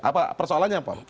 apa persoalannya pak